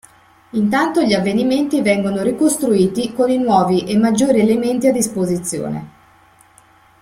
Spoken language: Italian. Intanto gli avvenimenti vengono ricostruiti con i nuovi e maggiori elementi a disposizione.